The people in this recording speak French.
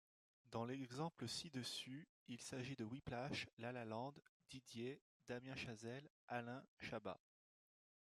Dans l'exemple, ci-dessus, il s'agit de {Whiplash, Lalaland, Didier, Damien Chazelle, Alain, Chabat}.